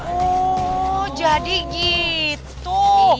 oh jadi gitu